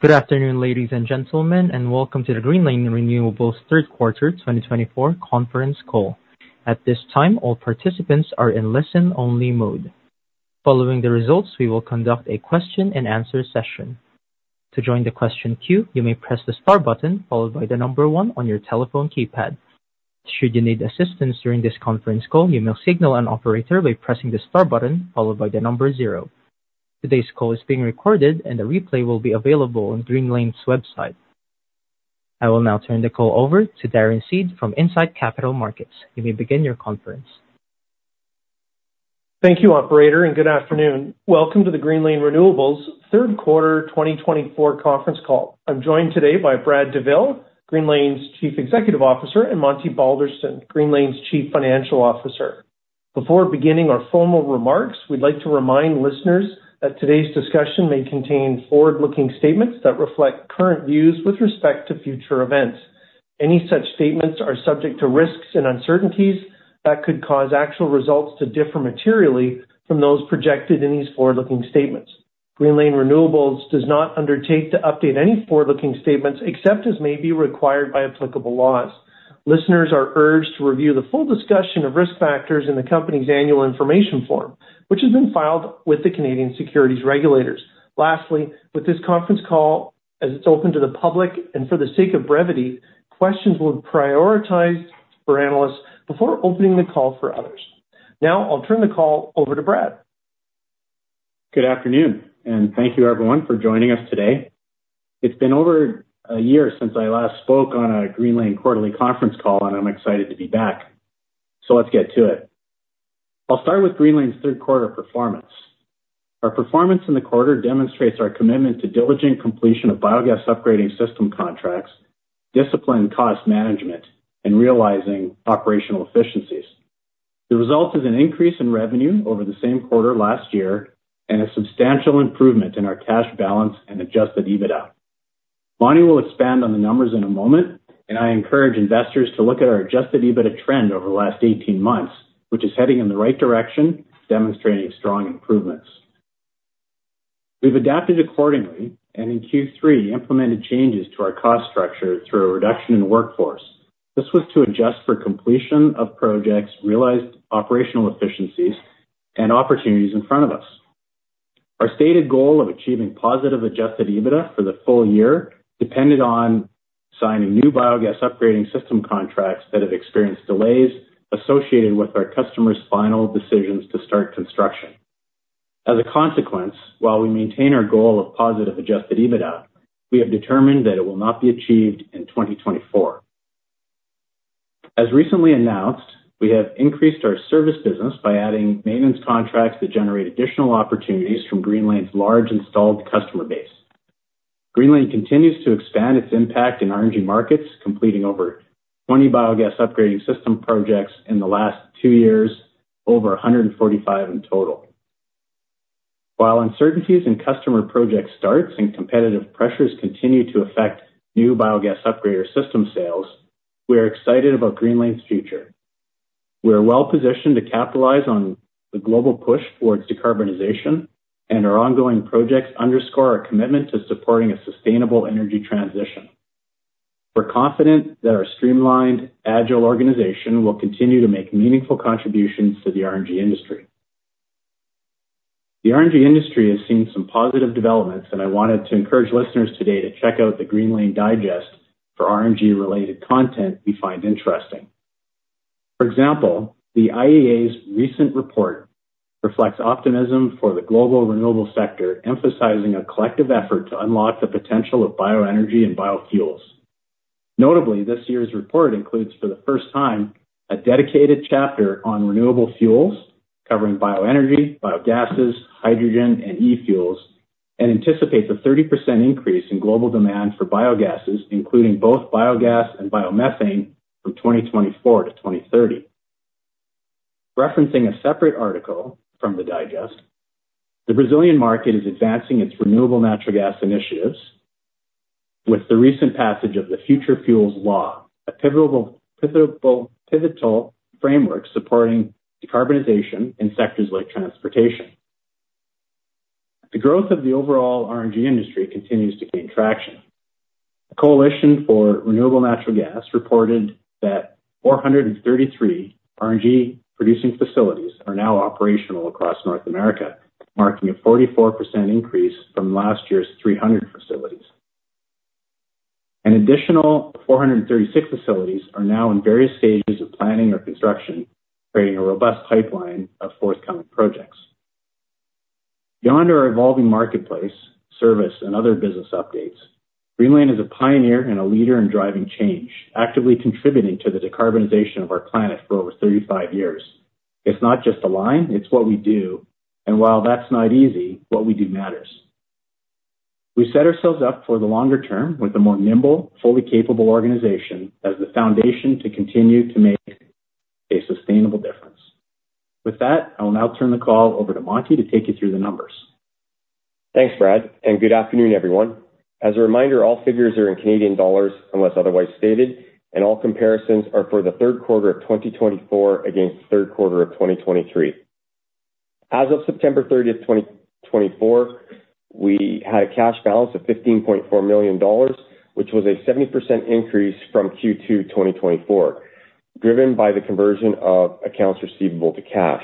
Good afternoon, ladies and gentlemen, and welcome to the Greenlane Renewables Third Quarter 2024 Conference Call. At this time, all participants are in listen-only mode. Following the results, we will conduct a question-and-answer session. To join the question queue, you may press the star button followed by the number one on your telephone keypad. Should you need assistance during this conference call, you may signal an operator by pressing the star button followed by the number zero. Today's call is being recorded, and the replay will be available on Greenlane's website. I will now turn the call over to Darren Seed from Incite Capital Markets. You may begin your conference. Thank you, Operator, and good afternoon. Welcome to the Greenlane Renewables Third Quarter 2024 Conference Call. I'm joined today by Brad Douville, Greenlane's Chief Executive Officer, and Monty Balderston, Greenlane's Chief Financial Officer. Before beginning our formal remarks, we'd like to remind listeners that today's discussion may contain forward-looking statements that reflect current views with respect to future events. Any such statements are subject to risks and uncertainties that could cause actual results to differ materially from those projected in these forward-looking statements. Greenlane Renewables does not undertake to update any forward-looking statements except as may be required by applicable laws. Listeners are urged to review the full discussion of risk factors in the company's Annual Information Form, which has been filed with the Canadian securities regulators. Lastly, with this conference call as it's open to the public and for the sake of brevity, questions will be prioritized for analysts before opening the call for others. Now, I'll turn the call over to Brad. Good afternoon, and thank you, everyone, for joining us today. It's been over a year since I last spoke on a Greenlane Quarterly Conference Call, and I'm excited to be back. So let's get to it. I'll start with Greenlane's third quarter performance. Our performance in the quarter demonstrates our commitment to diligent completion of biogas upgrading system contracts, disciplined cost management, and realizing operational efficiencies. The result is an increase in revenue over the same quarter last year and a substantial improvement in our cash balance and Adjusted EBITDA. Monty will expand on the numbers in a moment, and I encourage investors to look at our Adjusted EBITDA trend over the last 18 months, which is heading in the right direction, demonstrating strong improvements. We've adapted accordingly and in Q3 implemented changes to our cost structure through a reduction in workforce. This was to adjust for completion of projects realized operational efficiencies and opportunities in front of us. Our stated goal of achieving positive Adjusted EBITDA for the full year depended on signing new biogas upgrading system contracts that have experienced delays associated with our customers' final decisions to start construction. As a consequence, while we maintain our goal of positive Adjusted EBITDA, we have determined that it will not be achieved in 2024. As recently announced, we have increased our service business by adding maintenance contracts that generate additional opportunities from Greenlane's large installed customer base. Greenlane continues to expand its impact in RNG markets, completing over 20 biogas upgrading system projects in the last two years, over 145 in total. While uncertainties in customer project starts and competitive pressures continue to affect new biogas upgrading system sales, we are excited about Greenlane's future. We are well positioned to capitalize on the global push towards decarbonization, and our ongoing projects underscore our commitment to supporting a sustainable energy transition. We're confident that our streamlined, agile organization will continue to make meaningful contributions to the RNG industry. The RNG industry has seen some positive developments, and I wanted to encourage listeners today to check out the Greenlane Digest for RNG-related content you find interesting. For example, the IEA's recent report reflects optimism for the global renewable sector, emphasizing a collective effort to unlock the potential of bioenergy and biofuels. Notably, this year's report includes, for the first time, a dedicated chapter on renewable fuels covering bioenergy, biogases, hydrogen, and e-fuels, and anticipates a 30% increase in global demand for biogases, including both biogas and biomethane, from 2024 to 2030. Referencing a separate article from the Digest, the Brazilian market is advancing its renewable natural gas initiatives with the recent passage of the Future Fuels Law, a pivotal framework supporting decarbonization in sectors like transportation. The growth of the overall RNG industry continues to gain traction. The Coalition for Renewable Natural Gas reported that 433 RNG-producing facilities are now operational across North America, marking a 44% increase from last year's 300 facilities. An additional 436 facilities are now in various stages of planning or construction, creating a robust pipeline of forthcoming projects. Beyond our evolving marketplace, service, and other business updates, Greenlane is a pioneer and a leader in driving change, actively contributing to the decarbonization of our planet for over 35 years. It's not just a line. It's what we do. And while that's not easy, what we do matters. We set ourselves up for the longer term with a more nimble, fully capable organization as the foundation to continue to make a sustainable difference. With that, I will now turn the call over to Monty to take you through the numbers. Thanks, Brad, and good afternoon, everyone. As a reminder, all figures are in Canadian dollars unless otherwise stated, and all comparisons are for the third quarter of 2024 against the third quarter of 2023. As of September 30, 2024, we had a cash balance of 15.4 million dollars, which was a 70% increase from Q2 2024, driven by the conversion of accounts receivable to cash.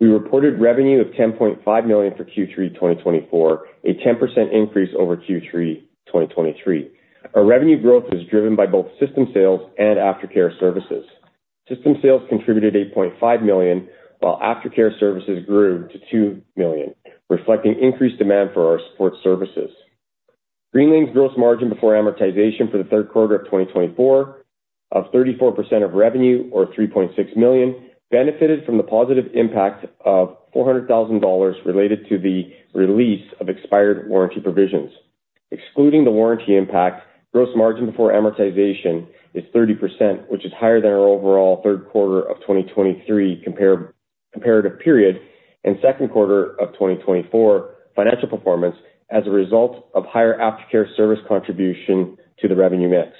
We reported revenue of 10.5 million for Q3 2024, a 10% increase over Q3 2023. Our revenue growth is driven by both system sales and aftercare services. System sales contributed 8.5 million, while aftercare services grew to 2 million, reflecting increased demand for our support services. Greenlane's gross margin before amortization for the third quarter of 2024, of 34% of revenue, or 3.6 million, benefited from the positive impact of 400,000 dollars related to the release of expired warranty provisions. Excluding the warranty impact, gross margin before amortization is 30%, which is higher than our overall third quarter of 2023 comparative period and second quarter of 2024 financial performance as a result of higher aftercare service contribution to the revenue mix.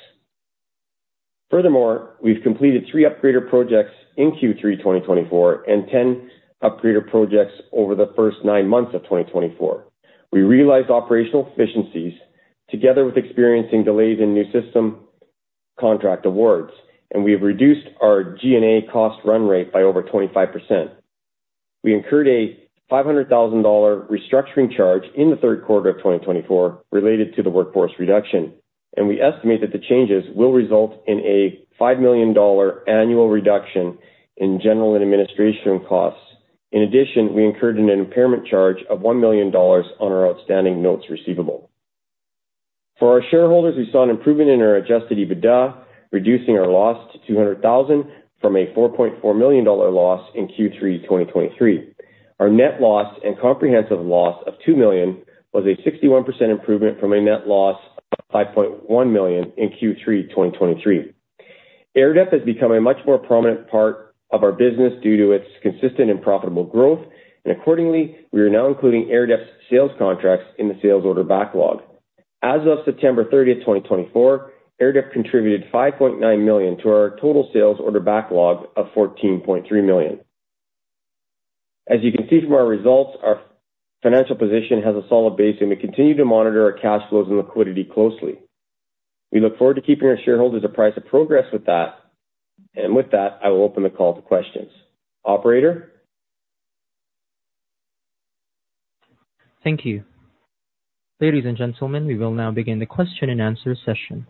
Furthermore, we've completed three upgrader projects in Q3 2024 and 10 upgrader projects over the first nine months of 2024. We realized operational efficiencies together with experiencing delays in new system contract awards, and we have reduced our G&A cost run rate by over 25%.We incurred a 500,000 dollar restructuring charge in the third quarter of 2024 related to the workforce reduction, and we estimate that the changes will result in a 5 million dollar annual reduction in general and administration costs. In addition, we incurred an impairment charge of 1 million dollars on our outstanding notes receivable. For our shareholders, we saw an improvement in our Adjusted EBITDA, reducing our loss to 200,000 from a 4.4 million dollar loss in Q3 2023.Our net loss and comprehensive loss of 2 million was a 61% improvement from a net loss of 5.1 million in Q3 2023. Airdep has become a much more prominent part of our business due to its consistent and profitable growth, and accordingly, we are now including Airdep's sales contracts in the sales order backlog. As of September 30, 2024, Airdep contributed 5.9 million to our total sales order backlog of 14.3 million. As you can see from our results, our financial position has a solid base, and we continue to monitor our cash flows and liquidity closely. We look forward to keeping our shareholders apprised of progress with that, and with that, I will open the call to questions. Operator. Thank you. Ladies and gentlemen, we will now begin the question-and-answer session.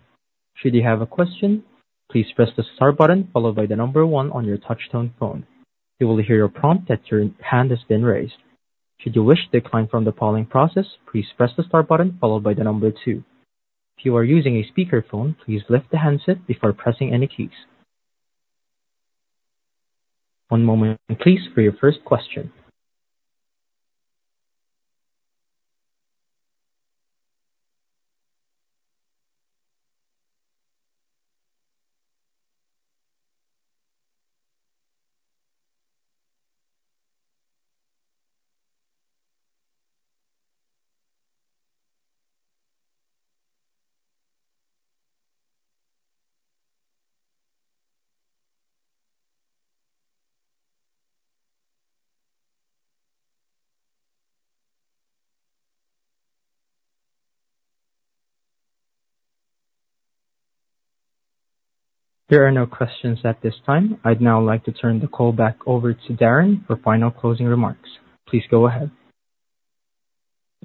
Should you have a question, please press the star button followed by the number one on your touch-tone phone. You will hear a prompt that your hand has been raised. Should you wish to decline from the following process, please press the star button followed by the number two. If you are using a speakerphone, please lift the handset before pressing any keys. One moment, please, for your first question. There are no questions at this time. I'd now like to turn the call back over to Darren for final closing remarks. Please go ahead.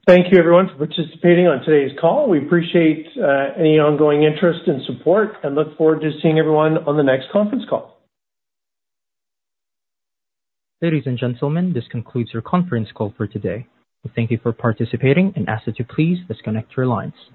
Thank you, everyone, for participating on today's call. We appreciate any ongoing interest and support and look forward to seeing everyone on the next conference call. Ladies and gentlemen, this concludes your conference call for today. Thank you for participating and ask that you please disconnect your lines.